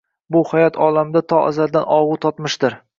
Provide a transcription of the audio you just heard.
Bu hayot olamida to azaldan ogʻu totmishdir